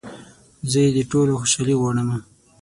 زه يې د ټولو خوشحالي غواړمه